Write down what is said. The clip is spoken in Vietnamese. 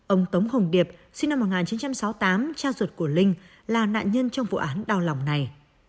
ông tống hồng điệp sinh năm một nghìn chín trăm sáu mươi tám cha ruột của linh là nạn nhân trong vụ án đau lòng này